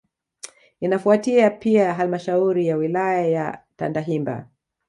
Inafuatia Pia halmashauri ya wilaya ya Tandahimba